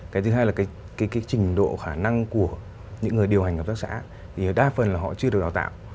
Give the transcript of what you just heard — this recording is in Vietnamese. cái thứ hai là cái trình độ khả năng của những người điều hành hợp tác xã thì đa phần là họ chưa được đào tạo